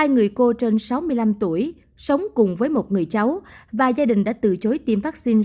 hai người cô trên sáu mươi năm tuổi sống cùng với một người cháu và gia đình đã từ chối tiêm vaccine